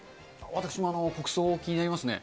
私も国葬、気になりますね。